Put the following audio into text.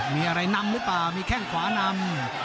มีอะไรนำหรือเปล่ามีแข้งขวานำ